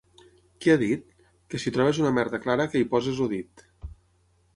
Què ha dit? —Que si trobes una merda clara que hi posis el dit.